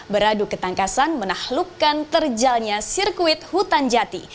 beradu ketangkasan menahlukkan terjalnya sirkuit hutan jati